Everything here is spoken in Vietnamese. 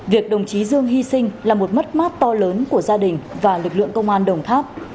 việc đồng chí dương hy sinh là một mất mát to lớn của gia đình và lực lượng công an đồng tháp